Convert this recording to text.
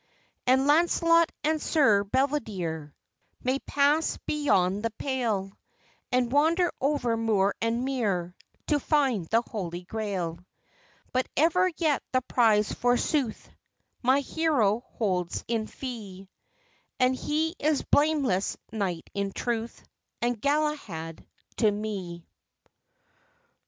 And Lancelot and Sir Bedivere May pass beyond the pale, And wander over moor and mere To find the Holy Grail; But ever yet the prize forsooth My hero holds in fee; And he is Blameless Knight in truth, And Galahad to me.